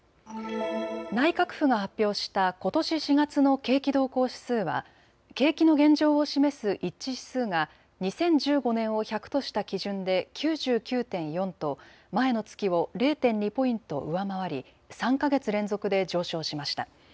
内閣府が発表したことし４月の景気動向指数は景気の現状を示す一致指数が２０１５年を１００とした基準で９９．４と前の月を０．２ポイント上回り３か月連続で上昇しました。